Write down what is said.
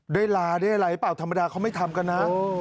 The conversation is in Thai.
ได้ลาได้อะไรหรือเปล่าธรรมดาเขาไม่ทำกันนะ